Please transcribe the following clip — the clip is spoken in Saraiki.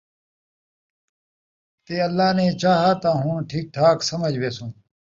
تے اللہ نے چاہا تاں ہُݨ ٹھیک ٹھاک سَمجھ ویسوں ۔